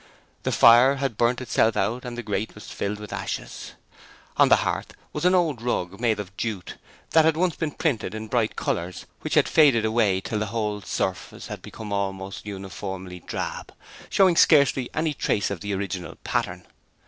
The fire had burnt itself out and the grate was filled with ashes. On the hearth was an old rug made of jute that had once been printed in bright colours which had faded away till the whole surface had become almost uniformly drab, showing scarcely any trace of the original pattern.